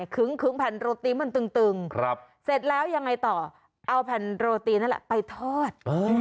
คึ้งแผ่นโรตีมันตึงเสร็จแล้วยังไงต่อเอาแผ่นโรตีนั่นแหละไปทอด